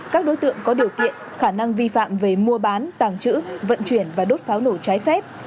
các đối tượng có điều kiện khả năng vi phạm về mua bán tàng trữ vận chuyển và đốt pháo nổ trái phép